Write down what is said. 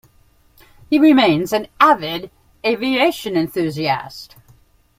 He remains an avid aviation enthusiast.